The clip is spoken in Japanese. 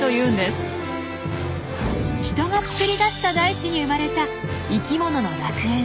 人が作り出した大地に生まれた生きものの楽園。